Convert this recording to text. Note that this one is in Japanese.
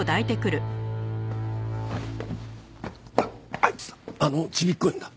あいつあのちびっこいのだ。